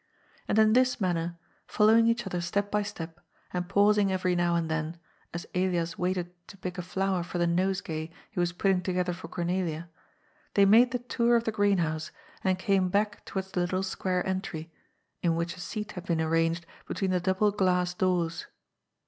And in this manner, following each other step by step, and pausing every now and then, as Elias waited to pick a flower for the nosegay he was putting to gether for Cornelia, they made the tour of the greenhouse and came back towards the little square entry, in which a seat had been arranged between the double glass doors.